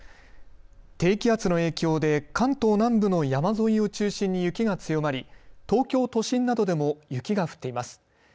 低気圧の影響で関東南部の山沿いを中心に雪が強まり東京都心などでも雪が降っています。